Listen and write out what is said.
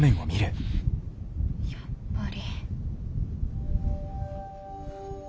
やっぱり。